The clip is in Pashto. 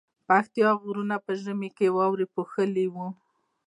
پکتيا غرونه په ژمی کی واورو پوښلي وی